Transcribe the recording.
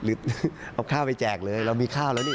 เอาข้าวไปแจกเลยเรามีข้าวแล้วนี่